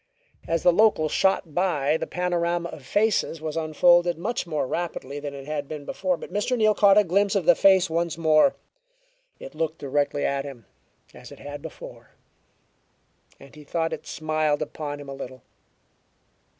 As the local shot by, the panorama of faces was unfolded much more rapidly than it had been before, but Mr. Neal caught a glimpse of the face once more. It looked directly at him, as it had before, and he thought it smiled upon him a little.